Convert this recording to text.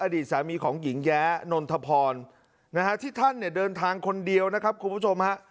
อดีตสามีของหญิงแย้นนทพรนะฮะที่ท่านเนี่ยเดินทางคนเดียวนะครับคุณผู้ชมฮะ